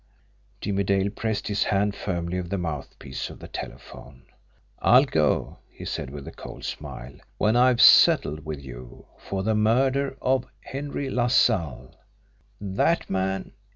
Jimmie Dale pressed his hand firmly over the mouthpiece of the telephone. "I'll go," he said, with a cold smile, "when I've settled with you for the murder of Henry LaSalle." "That man!"